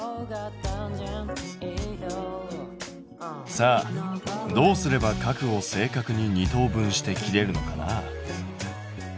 さあどうすれば角を正確に二等分して切れるのかな？